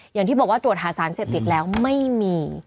อย่างที่บอกว่าตรวจหาสารเสพติดแล้วไม่มี